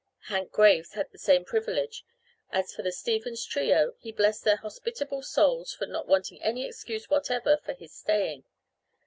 Hank Graves had the same privilege; as for the Stevens trio, he blessed their hospitable souls for not wanting any excuse whatever for his staying.